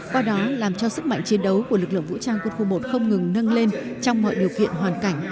qua đó làm cho sức mạnh chiến đấu của lực lượng vũ trang quân khu một không ngừng nâng lên trong mọi điều kiện hoàn cảnh